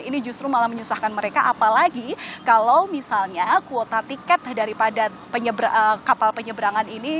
ini justru malah menyusahkan mereka apalagi kalau misalnya kuota tiket daripada kapal penyeberangan ini